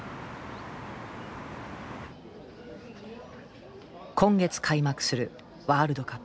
今月開幕するワールドカップ。